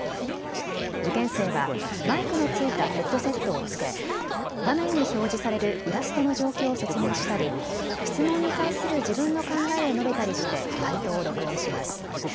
受験生はマイクの付いたヘッドセットを着け、画面に表示されるイラストの状況を説明したり質問に対する自分の考えを述べたりして解答を録音します。